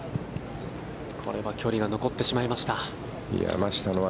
これは距離が残ってしまいました。